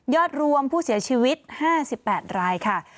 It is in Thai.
รวมผู้เสียชีวิต๕๘รายค่ะ